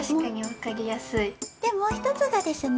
でもうひとつがですね